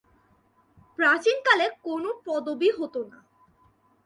প্রাচীন কালে কোনও পদবী হতো না।